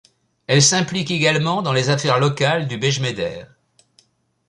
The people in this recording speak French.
Elle s'implique également dans les affaires locales du Bégemeder.